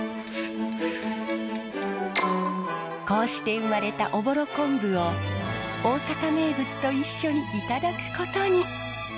こうして生まれたおぼろ昆布を大阪名物と一緒にいただくことに。